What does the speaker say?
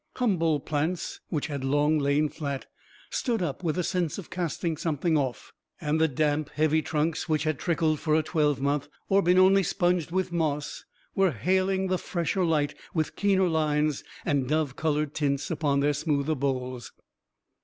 Humble plants which had long lain flat stood up with a sense of casting something off; and the damp heavy trunks which had trickled for a twelvemonth, or been only sponged with moss, were hailing the fresher light with keener lines and dove colored tints upon their smoother boles.